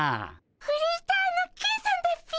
フリーターのケンさんだっピ。